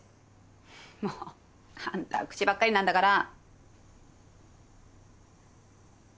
もう。あんたは口ばっかりなんだから。